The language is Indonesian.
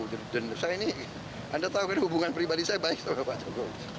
saya ini anda tahu ini hubungan pribadi saya baik kepada pak jokowi